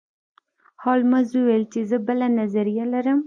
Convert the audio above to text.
هولمز وویل چې زه بله نظریه لرم.